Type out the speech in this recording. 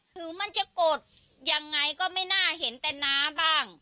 ถึงมันจะโกรธยังไงก็ไม่น่าเห็นแต่น้าบ้าง